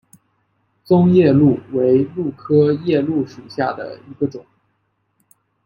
棕夜鹭为鹭科夜鹭属下的一个种。